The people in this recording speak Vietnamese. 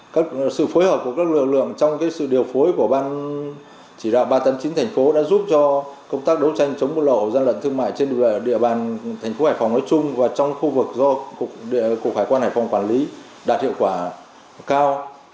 các sự phối hợp của các lực lượng trong sự điều phối của ban chỉ đạo ba trăm tám mươi chín thành phố đã giúp cho công tác đấu tranh chống lộ dân lận thương mại trên địa bàn thành phố hải phòng nói chung và trong khu vực do cục hải quan hải phòng quản lý đạt hiệu quả cao